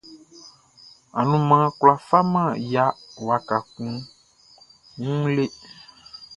Anumanʼn kwlá faman ya waka kun wun le.